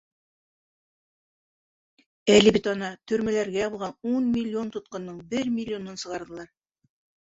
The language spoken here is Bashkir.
Әле бит, ана, төрмәләргә ябылған ун миллион тотҡондоң бер миллионын сығарҙылар.